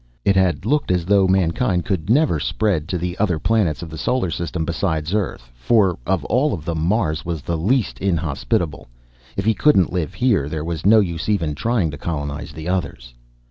It had looked as though mankind could never spread to the other planets of the solar system besides Earth for of all of them Mars was the least inhospitable; if he couldn't live here there was no use even trying to colonize the others.